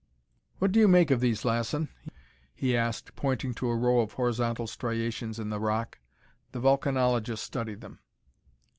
"What do you make of these, Lassen?" he asked, pointing to a row of horizontal striations in the rock. The volcanologist studied them.